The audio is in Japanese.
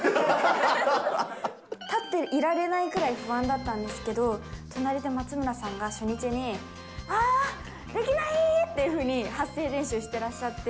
立っていられないくらい不安だったんですけど、隣で松村さんが初日に、あー、できないーっていうふうに、発声練習してらっしゃって。